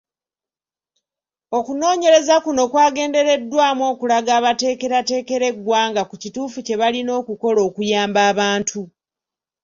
Okunoonyereza kuno kwagendereddwamu okulaga abateekerateekera eggwanga ku kituufu kye balina okukola okuyamba abantu.